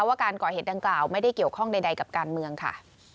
ว่าการก่อเหตุดังกล่าวไม่ได้เกี่ยวข้องใดกับการเมืองค่ะ